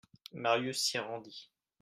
Marius s'y rendit.